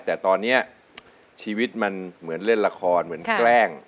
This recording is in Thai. แต่ตอนนี้ชีวิตมันเหมือนเล่นละครเหมือนแกล้ง